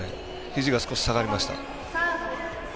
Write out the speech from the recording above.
ひじが少し下がりました。